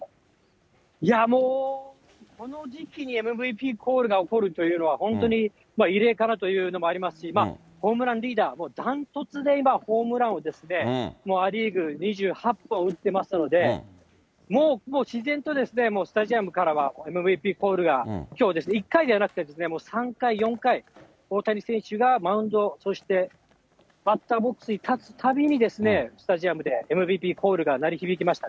もう、この時期にＭＶＰコールが起こるというのは、本当に異例かなというのもありますし、ホームランリーダー、ダントツで今、ホームランを、ア・リーグ２８本打ってますので、自然とスタジアムからは、ＭＶＰコールが、きょう、１回ではなくて、３回、４回、大谷選手がマウンド、そしてバッターボックスに立つたびに、スタジアムでＭＶＰコールが鳴り響きました。